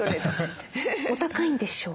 お高いんでしょう？